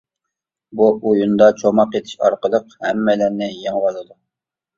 بۇ ئويۇندا چوماق ئېتىش ئارقىلىق ھەممەيلەننى يېڭىۋالىدۇ.